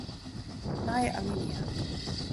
Nije alinea.